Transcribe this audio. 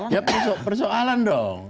ya persoalan dong